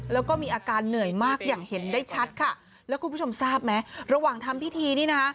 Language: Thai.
แล้วก็มีอาการเหนื่อยมากอย่างเห็นได้ชัดค่ะแล้วคุณผู้ชมทราบไหมระหว่างทำพิธีนี่นะคะ